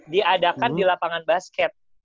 diadakan di lapangan basket